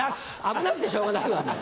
危なくてしょうがないわ。